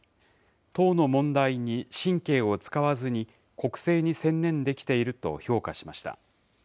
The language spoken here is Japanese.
党の問題に神経を使わずに、国政に専念できていると評価しました。